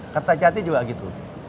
kereta jati juga gitu